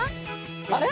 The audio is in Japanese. あれ？